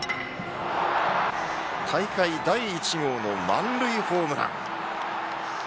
大会第１号の満塁ホームラン。